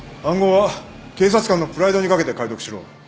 暗号は警察官のプライドに懸けて解読しろ。